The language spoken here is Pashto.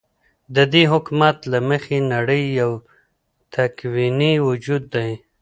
ددي حكومت له مخې نړۍ يو تكويني وجود دى ،